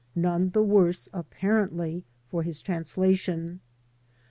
none the wone apparently for his translation.